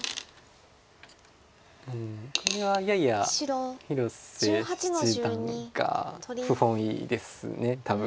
これはやや広瀬七段が不本意です多分。